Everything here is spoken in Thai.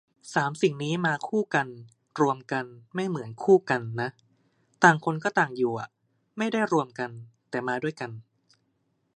สามสิ่งนี้มาคู่กัน "รวมกัน" ไม่เหมือน "คู่กัน" นะ ต่างคนก็ต่างอยู่อ่ะ ไม่ได้รวมกัน แต่มาด้วยกัน